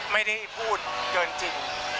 ไม่ได้พูดเกินจริง